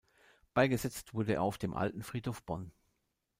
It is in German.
Beigesetzt wurde er auf dem Alten Friedhof Bonn.